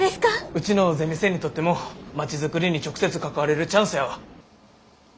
うちのゼミ生にとってもまちづくりに直接関われるチャンスやわ。